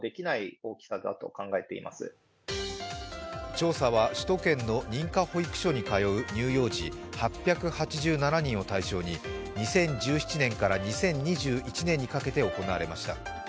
調査は首都圏の認可保育所に通う乳幼児８８７人を対象に２０１７年から２０２１年にかけて行われました。